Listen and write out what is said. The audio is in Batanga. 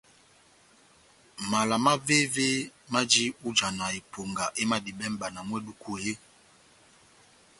Mala mavéve maji ó ijana eponga emadibɛ mʼbana mú eduku eeeh ?